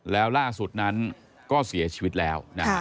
แล้วล่าสุดนั้นก็เสียชีวิตแล้วนะฮะ